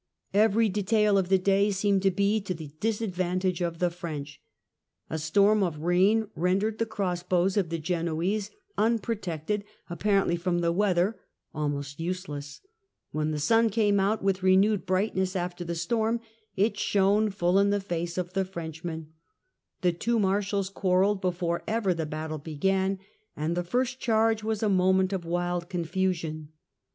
Every detail of the day seemed to be to the disadvantage of the French. A storm of rain rendered the cross bows of the Genoese, unpro tected apparently from the weather, almost useless ; when the sun came out with renewed brightness after the storm, it shone full in the faces of the French men ; the two Marshals quarrelled before ever the battle began, and the first charge was a moment of wild confusion.